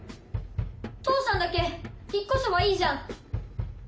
父さんだけ引っ越せばいいじゃん。